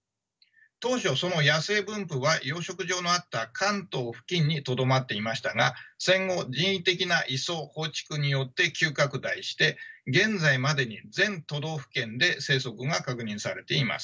当初その野生分布は養殖場のあった関東付近にとどまっていましたが戦後人為的な移送放逐によって急拡大して現在までに全都道府県で生息が確認されています。